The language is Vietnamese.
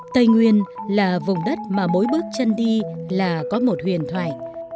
tây nguyên là vùng đất mà mỗi bước chân đi là có một huyền thoại